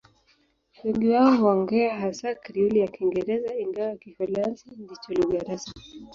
Wengi wao huongea hasa Krioli ya Kiingereza, ingawa Kiholanzi ndicho lugha rasmi.